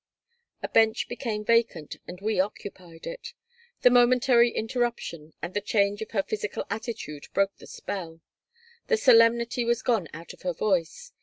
A bench became vacant and we occupied it. The momentary interruption and the change in her physical attitude broke the spell. The solemnity was gone out of her voice.